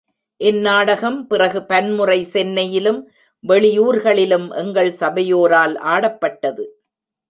இந் நாடகம் பிறகு பன்முறை சென்னையிலும், வெளியூர்களிலும் எங்கள் சபையோரால் ஆடப்பட்டது.